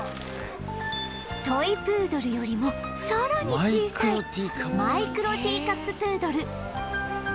トイ・プードルよりもさらに小さいマイクロティーカッププードル